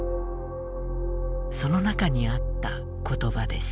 その中にあったことばです。